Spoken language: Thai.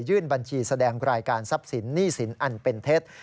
บัญชีแสดงรายการทรัพย์สินหนี้สินอันเป็นเท็จ